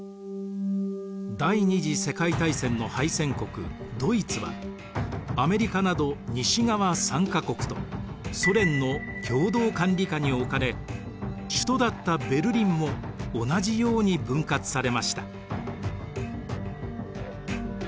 第二次世界大戦の敗戦国ドイツはアメリカなど西側３か国とソ連の共同管理下に置かれ首都だったベルリンも同じように分割されました。